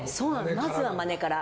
まずはマネから。